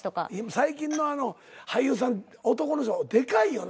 最近の俳優さん男の人でかいよな皆。